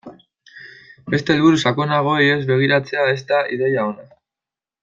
Beste helburu sakonagoei ez begiratzea ez da ideia ona.